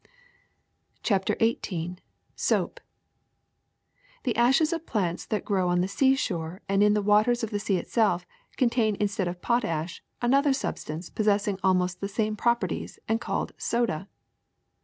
CHAPTER XVIII SOAP ^^'^"■^HE ashes of plants that grow on the seashore T and in the waters of the sea itself contain, in stead of potash, another substance possessing almost the same properties and called soda.